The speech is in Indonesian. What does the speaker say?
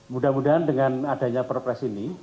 mudah mudahan dengan adanya perpres ini